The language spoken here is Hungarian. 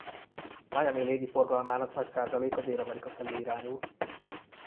Miami légiforgalmának nagy százaléka Dél-Amerika felé irányul.